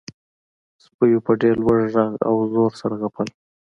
سپیو په ډیر لوړ غږ او زور سره غپل